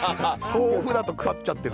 豆腐だと腐っちゃってる。